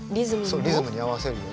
そうリズムに合わせるように。